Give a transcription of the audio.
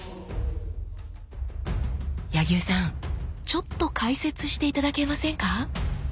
ちょっと解説して頂けませんか？